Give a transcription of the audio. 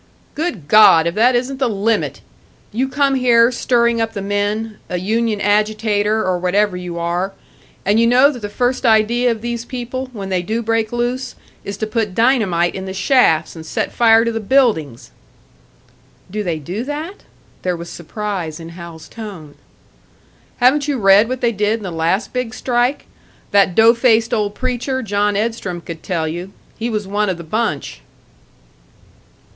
"Good God! If that isn't the limit! You come here, stirring up the men a union agitator, or whatever you are and you know that the first idea of these people, when they do break loose, is to put dynamite in the shafts and set fire to the buildings!" "Do they do that?" There was surprise in Hal's tone. "Haven't you read what they did in the last big strike? That dough faced old preacher, John Edstrom, could tell you. He was one of the bunch."